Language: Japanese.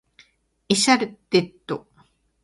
エシャレット